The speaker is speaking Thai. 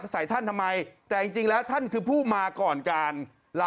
ใส่ท่านทำไมแต่จริงแล้วท่านคือผู้มาก่อนการ